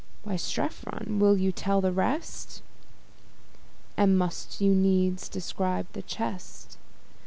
Why, Strephon, will you tell the rest? And must you needs describe the chest?